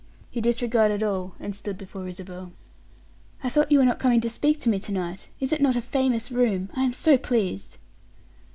He disregarded all, and stood before Isabel. "I thought you were not coming to speak to me to night. Is it not a famous room? I am so pleased!"